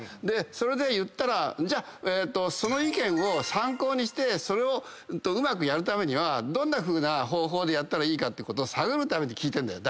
それで言ったらその意見を参考にしてそれをうまくやるためにはどんなふうな方法でやったらいいかってことを探るために聞いてんだよ。